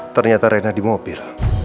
ternyata rena di mobil